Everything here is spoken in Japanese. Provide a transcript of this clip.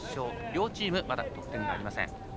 両チームまだ得点がありません。